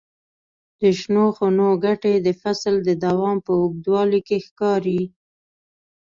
د شنو خونو ګټې د فصل د دوام په اوږدوالي کې ښکاري.